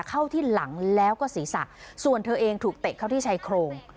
เข้าที่หลังแล้วก็ศีรษะส่วนเธอเองถูกเตะเข้าที่ชายโครง